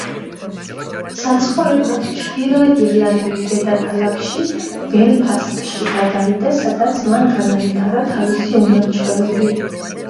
საცხოვრებლად ჩრდილოეთ ირლანდიის დედაქალაქში, ბელფასტში გადავიდა, სადაც მან განავითარა თავისი უნარ-ჩვევები.